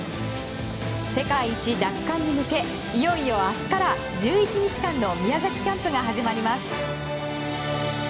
世界一奪還に向けいよいよ明日から１１日間の宮崎キャンプが始まります。